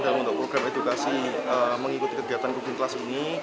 dalam untuk program edukasi mengikuti kegiatan cooking class ini